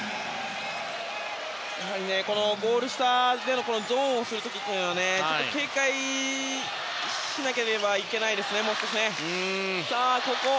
やはり、ゴール下でゾーンをする時はもう少し警戒しなければいけないですね。